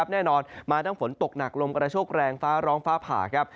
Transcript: แน่นอนมาทั้งฝนตกหนักลมกระโชคแรงฟ้าร้องฟ้าผ่าครับ